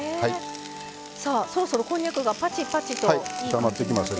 さあそろそろこんにゃくがパチパチといい感じになってきました。